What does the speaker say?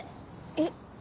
えっ？